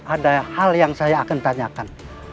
ada hal yang saya akan tanyakan